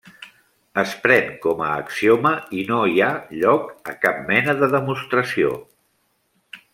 Es pren com a axioma i no hi ha lloc a cap mena de demostració.